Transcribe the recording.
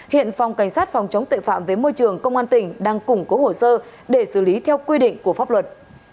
hiện phòng cảnh sát phòng chống tội phạm với môi trường công an tỉnh đang củng cố hồ sơ để xử lý theo quy định của pháp luật